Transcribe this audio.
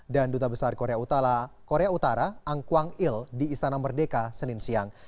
dan duta besar korea utara angkwang il di istana merdeka senin siang